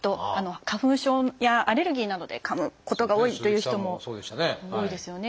花粉症やアレルギーなどでかむことが多いという人も多いですよね。